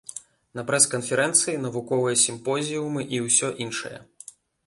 На прэс-канферэнцыі, навуковыя сімпозіумы і ўсё іншае.